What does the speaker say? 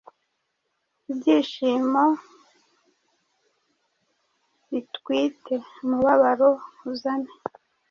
Ibyishimo bitwite. Umubabaro uzane.